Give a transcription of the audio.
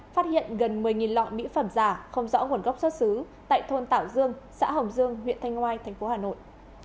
phát hiện gần một mươi lọ mỹ phẩm giả không rõ nguồn gốc xuất xứ tại thôn tảo dương xã hồng dương huyện thanh ngoai tp hà nội